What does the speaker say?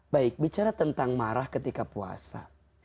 baik bicara tentang marah ketika puasa